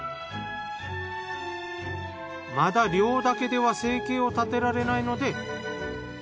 まだ漁だけでは生計を立てられないので。